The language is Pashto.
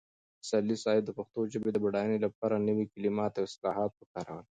پسرلي صاحب د پښتو ژبې د بډاینې لپاره نوي کلمات او اصطلاحات وکارول.